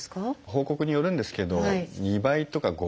報告によるんですけど２倍とか５倍とかですね